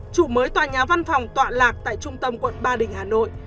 trụ mới tòa nhà văn phòng tọa lạc tại trung tâm quận ba đình hà nội